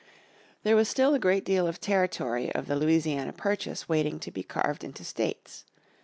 There was still a great deal of territory of the Louisiana Purchase waiting to be carved into states.